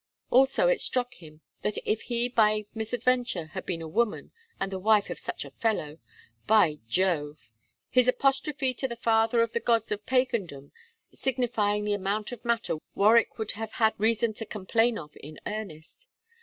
Also it struck him that if he by misadventure had been a woman and the wife of such a fellow, by Jove!... his apostrophe to the father of the gods of pagandom signifying the amount of matter Warwick would have had reason to complain of in earnest.